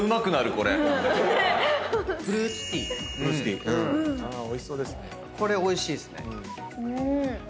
これおいしいっすね。